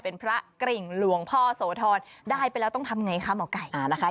เป็นพระกริ่งหลวงพ่อโสธรได้ไปแล้วต้องทำอย่างไรค่ะหมอไก่